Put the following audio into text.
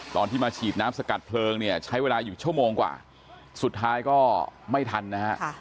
ตอนที่มาฉีดน้ำสกัดเพลิงเนี่ยใช้เวลาอยู่ชั่วโมงกว่าสุดท้ายก็ไม่ทันนะฮะ